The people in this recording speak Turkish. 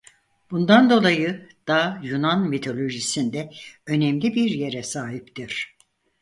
Bundan dolayı dağ Yunan mitolojisinde önemli bir yere sahiptir.